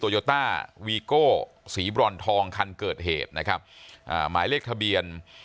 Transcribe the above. โยต้าวีโก้สีบรอนทองคันเกิดเหตุนะครับอ่าหมายเลขทะเบียน